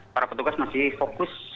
para petugas masih fokus